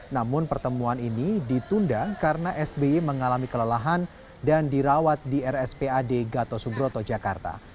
namun pertemuan ini ditunda karena sby mengalami kelelahan dan dirawat di rspad gatot subroto jakarta